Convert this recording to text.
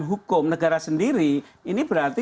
hukum negara sendiri ini berarti